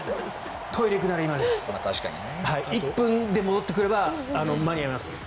１分で戻ってくれば間に合います。